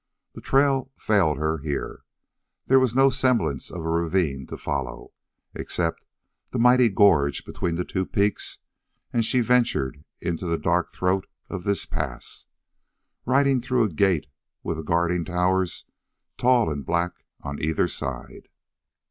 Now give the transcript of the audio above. The trail failed her here. There was no semblance of a ravine to follow, except the mighty gorge between the two peaks, and she ventured into the dark throat of this pass, riding through a gate with the guarding towers tall and black on either side.